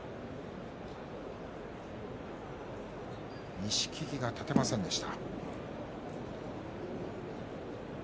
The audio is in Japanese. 錦木が立てませんでした。